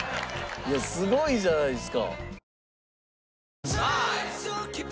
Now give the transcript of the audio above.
すごいじゃないですか。